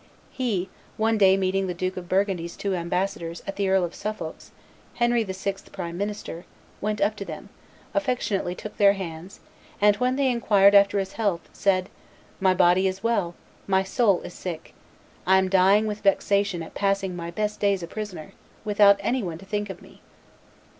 He, one day meeting the Duke of Burgundy's two ambassadors at the Earl of Suffolk's, Henry VI.'s prime minister, went up to them, affectionately took their hands, and, when they inquired after his health, said, "My body is well, my soul is sick; I am dying with vexation at passing my best days a prisoner, without any one to think of me."